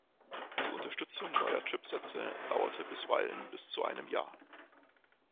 Die Unterstützung neuer Chipsätze dauerte bisweilen bis zu einem Jahr.